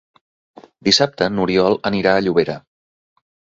Dissabte n'Oriol anirà a Llobera.